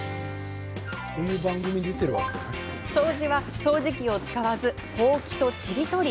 掃除は掃除機を使わずにほうきと、ちりとり。